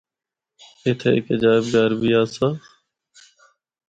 اِتھا ہک ’عجائب گھر‘ بھی آسا۔